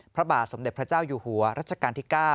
พระบาทสมเด็จพระเจ้าอยู่หัวรัชกาลที่๙